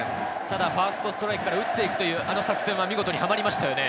ただファーストストライクから打っていくという作戦は見事にはまっていますね。